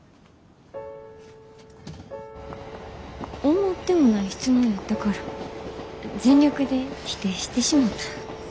思ってもない質問やったから全力で否定してしもた。